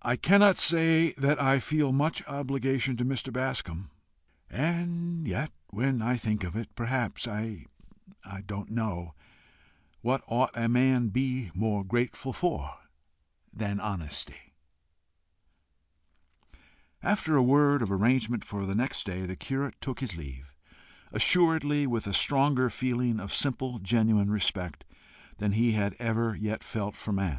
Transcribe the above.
"I cannot say that I feel much obligation to Mr. Bascombe. And yet when I think of it, perhaps I don't know what ought a man to be more grateful for than honesty?" After a word of arrangement for next day the curate took his leave, assuredly with a stronger feeling of simple genuine respect than he had ever yet felt for man.